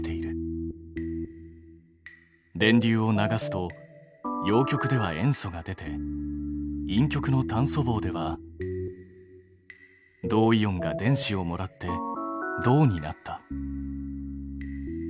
電流を流すと陽極では塩素が出て陰極の炭素棒では銅イオンが電子をもらって銅になった。